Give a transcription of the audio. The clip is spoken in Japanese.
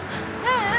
ううん。